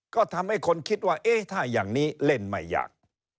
ก็ทำให้คนคิดว่าเอ๊ะถ้าอย่างนี้เล่นไม่ยาก